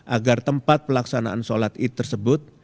agar tempat pelaksanaan sholat id tersebut